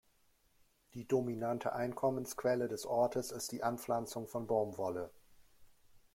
Die dominante Einkommensquelle des Ortes ist die Anpflanzung von Baumwolle.